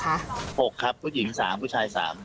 ๖ครับเภ้าผู้หนุ่ม๓ผู้หญิง๓